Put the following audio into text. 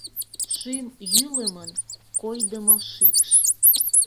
Шӱм йӱлымын — койдымо шикш;